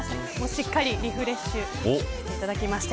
しっかりリフレッシュさせていただきまして。